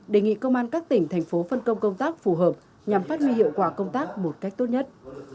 đề nghị công an các tỉnh thành phố phân công công tác phù hợp nhằm phát huy hiệu quả công tác một cách tốt nhất